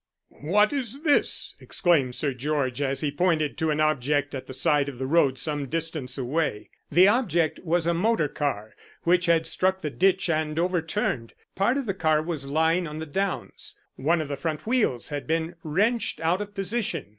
"What is this?" exclaimed Sir George, as he pointed to an object at the side of the road some distance away. The object was a motor car, which had struck the ditch and overturned. Part of the car was lying on the downs. One of the front wheels had been wrenched out of position.